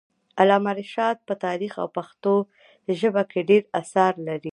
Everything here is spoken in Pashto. علامه رشاد په تاریخ او پښتو ژبه کي ډير اثار لري.